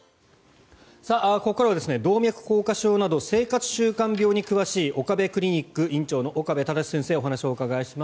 ここからは動脈硬化症など生活習慣病に詳しい岡部クリニック院長の岡部正先生にお話をお伺いします。